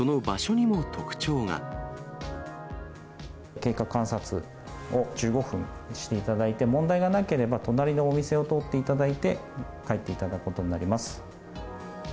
経過観察を１５分していただいて、問題がなければ、隣のお店を通っていただいて、帰っていただくことになります。